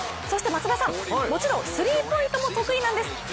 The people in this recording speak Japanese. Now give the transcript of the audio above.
そして松田さん、もちろんスリーポイントも得意なんです。